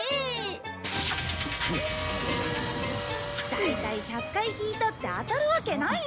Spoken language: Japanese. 大体１００回引いたって当たるわけないよ。